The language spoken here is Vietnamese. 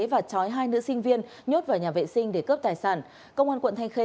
và chói hai nữ sinh viên nhốt vào nhà vệ sinh để cướp tài sản công an quận thanh khê